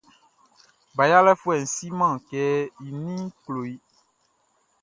Ba yalɛfuɛʼn siman kɛ i ninʼn klo i.